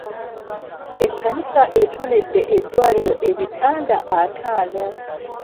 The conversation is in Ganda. Ekkanisa ettonedde eddwaliro ebitanda ataano.